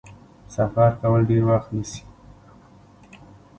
سفر کول ډیر وخت نیسي.